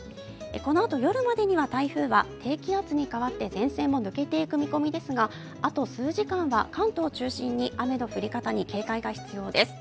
このあと夜までには台風は低気圧に変わって前線も抜けていく見込みですがあと数時間は関東を中心に雨の降り方に注意が必要です。